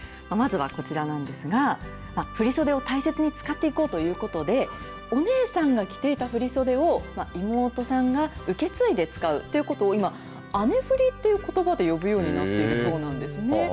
まずはこちらなんですが、振袖を大切に使っていこうということで、お姉さんが着ていた振袖を、妹さんが受け継いで使うということを今、アネ振りっていうことばで呼ぶようになっているそうなんですね。